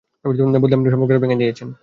বদলে আপনি সম্পর্কটাই ভেঙে দিয়েছেন!